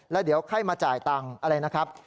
แล้วเดี๋ยวไข้มาจ่ายตังค์อะไรนะครับ